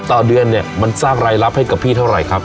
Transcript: ต่อเดือนเนี่ยมันสร้างรายรับให้กับพี่เท่าไหร่ครับ